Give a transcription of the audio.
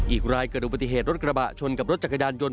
อีกรายเกิดอุบัติเหตุรถกระบะชนกับรถจักรยานยนต